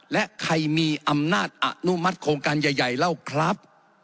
และใครมีอำนาจอนุมัติโครงการใหญ่เล่าครับ